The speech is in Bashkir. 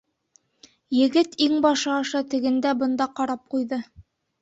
Егет иңбашы аша тегендә-бында ҡарап ҡуйҙы.